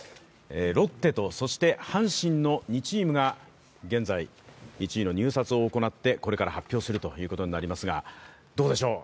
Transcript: ロッテと、そして阪神の２チームが現在、１位の入札を行ってこれから発表するということになりますが、どうでしょう？